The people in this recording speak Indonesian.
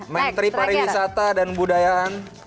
menteri pariwisata dan budayaan